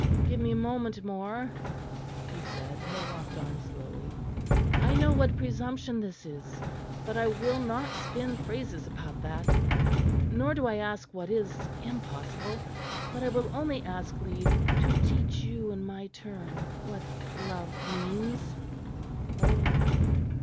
"Give me a moment more," he said; and they walked on slowly. "I know what presumption this is; but I will not spin phrases about that. Nor do I ask what is impossible; but I will only ask leave to teach you in my turn what love means." "Oh!